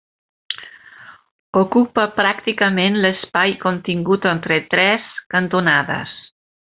Ocupa pràcticament l'espai contingut entre tres cantonades.